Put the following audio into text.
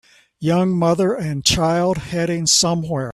Young mother and child heading somewhere